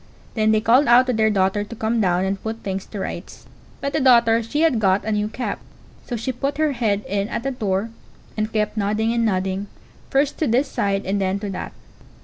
Then they called out to their daughter to come down and put things to rights; but the daughter she had got a new cap; so she put her head in at the door, and kept nodding and nodding, first to this side and then to that.